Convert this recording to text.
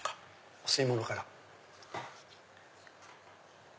お吸い物から。